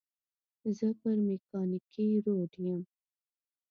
زه پر مېکانګي روډ یم.